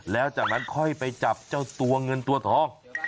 แล้วจากนั้นค่อยไปจับเจ้าตัวเงินตัวทอง